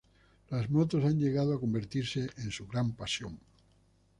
Las motos han llegado a convertirse en su gran pasión.